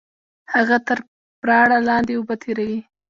هغه تر پراړه لاندې اوبه تېروي